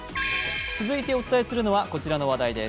続いてお伝えするのはこちらの話題です。